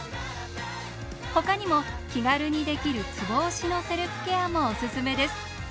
ほかにも気軽にできるツボ押しのセルフケアもオススメです。